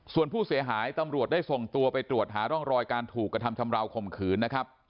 ส่วนผู้เสียหายตำรวจได้ส่งตัวไปตรวจหาร่องรอยการถูกกระทำชำราวข่มขืนนะครับ